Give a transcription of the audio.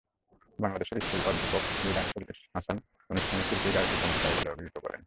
বাংলাদেশ স্কুলের অধ্যক্ষ মীর আনিসুল হাসান অনুষ্ঠানে শিল্পীর গায়কি চমৎকার বলে অভিহিত করেন।